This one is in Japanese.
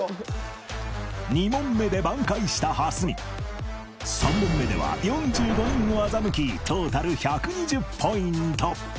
２問目で挽回した蓮見３問目では４５人を欺きトータル１２０ポイント。